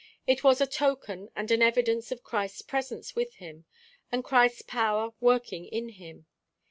It was a token and an evidence of Christ's presence with him, and Christ's power working in him.